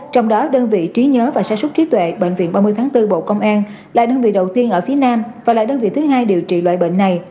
trong đó đơn vị trí nhớ và sản xuất trí tuệ bệnh viện ba mươi tháng bốn bộ công an là đơn vị đầu tiên ở phía nam và là đơn vị thứ hai điều trị loại bệnh này